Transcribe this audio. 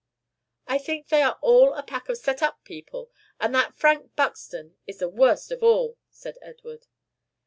"I think they are all a pack of set up people, and that Frank Buxton is the worst of all," said Edward.